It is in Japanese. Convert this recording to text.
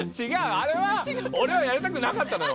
あれは俺はやりたくなかったのよ！